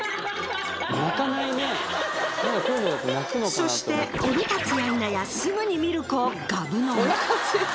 そして降り立つや否やすぐにミルクをがぶ飲み。